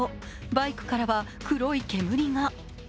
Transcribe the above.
バイクからは黒い煙が。